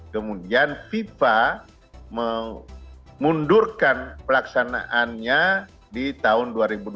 kemudian fifa memundurkan pelaksanaannya di tahun dua ribu dua puluh